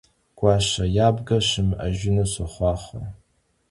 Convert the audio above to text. Guaşe yabge şımı'ejjınu soxhuaxhue!